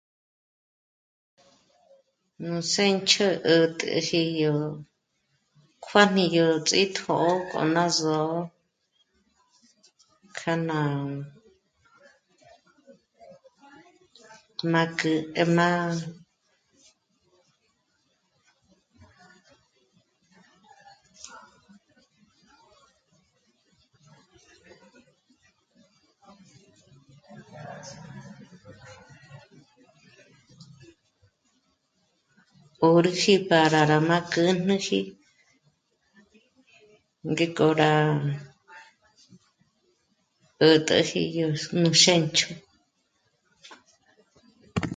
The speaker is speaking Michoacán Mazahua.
Nú sěncho 'ä̀täji yo kuájni yó ts'í tō'ō k'oná só'o' k'a ná má'k'ü ä ná 'órüji pára nàkäjneji ngék'o rá 'ät'äji nú sěncho